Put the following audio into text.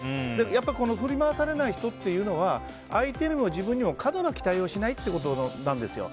やっぱり、振り回されない人っていうのは相手にも自分にも過度な期待をしないということなんですよ。